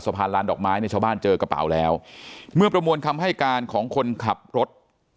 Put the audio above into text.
สะพานลานดอกไม้เนี่ยชาวบ้านเจอกระเป๋าแล้วเมื่อประมวลคำให้การของคนขับรถ